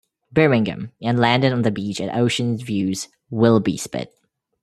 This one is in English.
"Birmingham" and landed on the beach at Ocean View's Willoughby Spit.